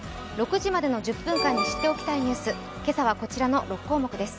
６時までの１０分間に知っておきたいニュース、今朝はこちらの６項目です。